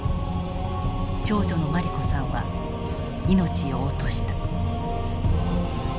長女の茉莉子さんは命を落とした。